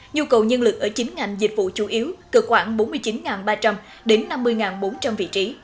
nhu cầu nhân lực ở chín ngành dịch vụ chủ yếu cần khoảng bốn mươi chín ba trăm linh đến năm mươi bốn trăm linh vị trí